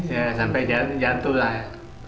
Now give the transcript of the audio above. ya sampai jatuh lah ya